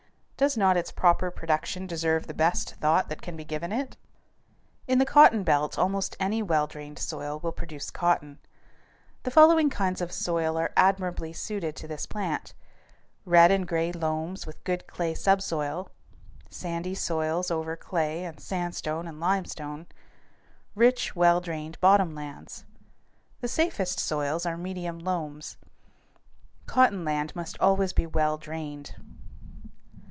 Does not its proper production deserve the best thought that can be given it? In the cotton belt almost any well drained soil will produce cotton. The following kinds of soil are admirably suited to this plant: red and gray loams with good clay subsoil; sandy soils over clay and sandstone and limestone; rich, well drained bottom lands. The safest soils are medium loams. Cotton land must always be well drained.